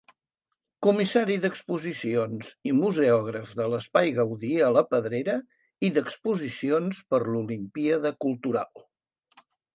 Comissari d’exposicions i museògraf de l’Espai Gaudí a la Pedrera i d’exposicions per l'Olimpíada Cultural.